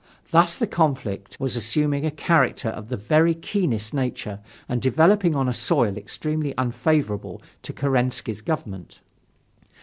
Thus the conflict was assuming a character of the very keenest nature and developing on a soil extremely unfavorable for Kerensky's government.